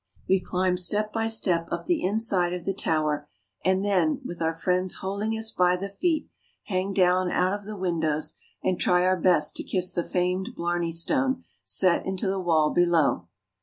23 We climb step by step up the inside of the tower, and then, with our friends holding us by the feet, hang down out of the windows, and try our best to kiss the famed Blarney Stone, set into the wall below.